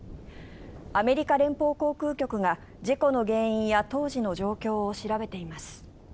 アメリカ連邦航空局が事故の原因や当時の状況を調べています。